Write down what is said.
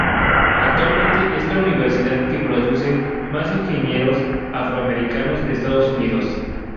Actualmente es la universidad que produce más ingenieros afroamericanos de Estados Unidos.